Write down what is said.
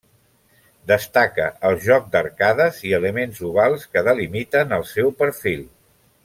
Destaca el joc d'arcades i elements ovals que delimiten el seu perfil.